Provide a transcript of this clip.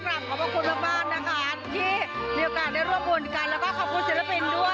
ก็ต้องกลับขอบคุณบ้างนะคะที่มีโอกาสได้ร่วมบุญกันและก็ขอบคุณศิลปินด้วยค่ะ